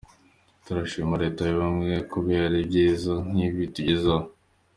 Turashimira Leta y’ubumwe kubera ibyiza nk’ibi itugezaho.